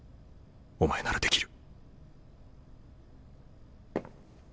お前ならできる。